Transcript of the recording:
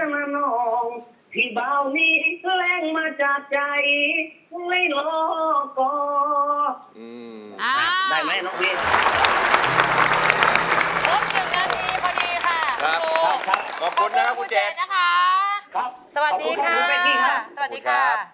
ไม่ขี้ห้องให้สัญญารับรองพูดจริงจริงเธอมานอง